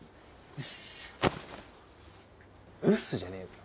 うっすじゃねえだろ。